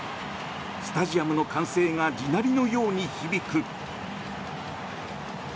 スタジアムの歓声が地鳴りのように響く。